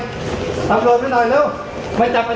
เราก็พอตำรวจมาหน่อยตำรวจมาหน่อยตำรวจมาหน่อยเร็ว